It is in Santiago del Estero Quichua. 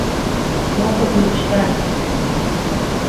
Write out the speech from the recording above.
mosoq wichkana